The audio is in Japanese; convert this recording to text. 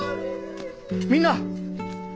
みんな！